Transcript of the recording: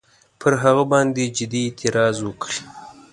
پر هغه باندي جدي اعتراض وکړي.